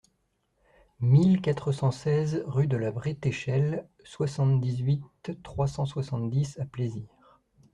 mille quatre cent seize rue de la Bretéchelle, soixante-dix-huit, trois cent soixante-dix à Plaisir